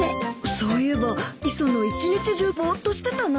そういえば磯野一日中ぼーっとしてたな。